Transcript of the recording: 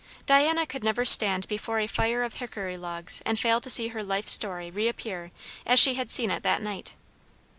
Diana could never stand before a fire of hickory logs and fail to see her life story reappear as she had seen it that night.